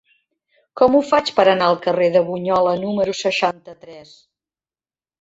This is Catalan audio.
Com ho faig per anar al carrer de Bunyola número seixanta-tres?